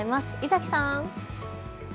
猪崎さん。